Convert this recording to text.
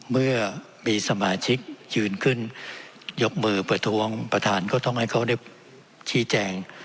เมื่อมีสมาชิกยืนขึ้นยกมือประท้วงประธานก็ต้องให้เขาได้ชี้แจง